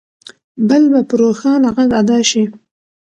بل به په روښانه غږ ادا شي.